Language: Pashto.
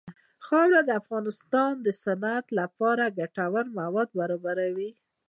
خاوره د افغانستان د صنعت لپاره ګټور مواد برابروي.